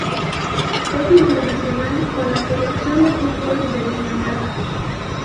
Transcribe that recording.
Es internacional con la Selección de fútbol de Dinamarca.